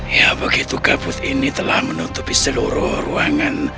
ya begitu kabut ini telah menutupi seluruh ruangan